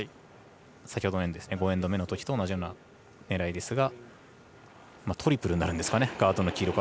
５エンド目のときと同じような狙いですがトリプルになるんですかね。